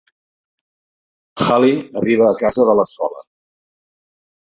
Hally arriba a casa de l'escola.